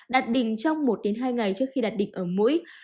đạt đỉnh trong một hai ngày trước khi đặt đỉnh ở mũi